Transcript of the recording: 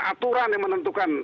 aturan yang menentukan